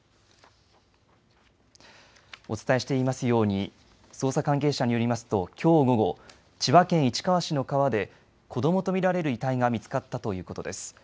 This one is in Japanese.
お伝えしていますように捜査関係者によりますときょう午後、千葉県市川市の川で子どもと見られる遺体が見つかったということです。